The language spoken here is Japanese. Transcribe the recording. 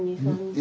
え！